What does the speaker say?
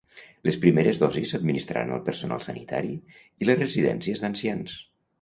Les primeres dosis s'administraran al personal sanitari i les residències d'ancians.